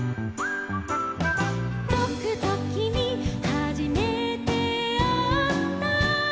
「ぼくときみはじめてあった」